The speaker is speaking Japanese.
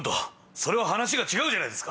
それは話が違うじゃないですか！